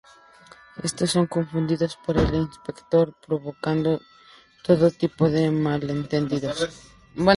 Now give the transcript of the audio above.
Estos son confundidos por el inspector, provocando todo tipo de malentendidos.